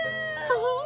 そう？